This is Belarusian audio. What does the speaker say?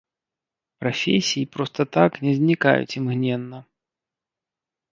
Прафесіі проста так не знікаюць імгненна.